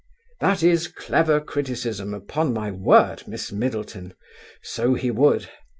"That is clever criticism, upon my word, Miss Middleton! So he would.